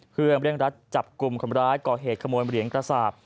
เครื่องเรียกรัฐจับกลุ่มของร้ายก่อเหตุขโมยเหรียญกษาบ